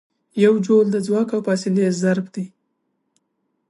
یو جول د ځواک او فاصلې ضرب دی.